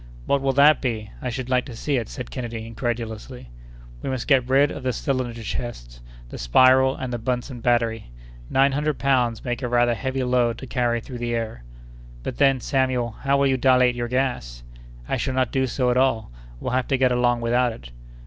"What will that be? I should like to see it," said Kennedy, incredulously. "We must get rid of the cylinder chests, the spiral, and the Buntzen battery. Nine hundred pounds make a rather heavy load to carry through the air." "But then, Samuel, how will you dilate your gas?" "I shall not do so at all. We'll have to get along without it."